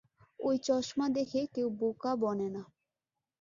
ওই চশমা দেখে কেউ বোকা বনে না।